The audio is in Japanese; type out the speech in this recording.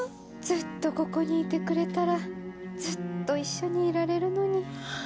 ずっとここにいてくれたらずっと一緒にいられるのに。